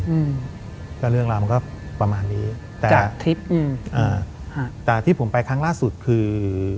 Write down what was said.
อืมก็เรื่องราวมันก็ประมาณนี้แต่จากคลิปอืมอ่าฮะแต่ที่ผมไปครั้งล่าสุดคือ